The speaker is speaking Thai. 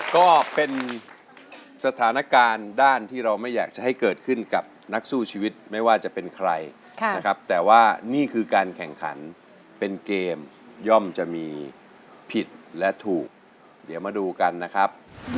ก็เป็นสถานการณ์ด้านที่เราไม่อยากจะให้เกิดขึ้นกับนักสู้ชีวิตไม่ว่าจะเป็นใครนะครับแต่ว่านี่คือการแข่งขันเป็นเกมย่อมจะมีผิดและถูกเดี๋ยวมาดูกันนะครับ